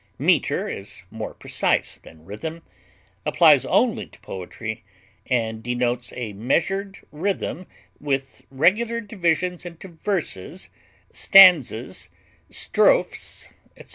meter is more precise than rhythm, applies only to poetry, and denotes a measured rhythm with regular divisions into verses, stanzas, strophes, etc.